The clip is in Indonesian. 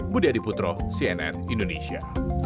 budi adiputro cnn indonesia